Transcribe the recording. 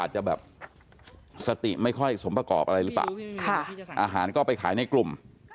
จะแบบสติไม่ค่อยสมประกอบอะไรหรือเปล่าอาหารก็ไปขายในกลุ่ม